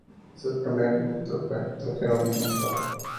Su primer director fue el Dr. Gerónimo del Barco.